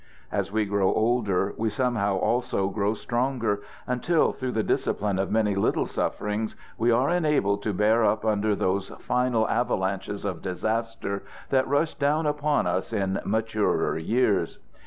As we grow older we somehow also grow stronger, until through the discipline of many little sufferings we are enabled to bear up under those final avalanches of disaster that rush down upon us in maturer years.